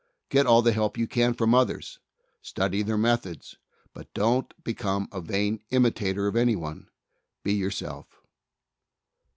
Get all the help you can from others. Study their methods, but don't become a vain imitator of anyone. Be yourself.